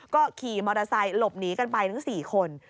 ก็ขี่มอเตอร์ไซค์หลบหนีกันไปทั้ง๔คน